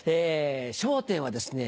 『笑点』はですね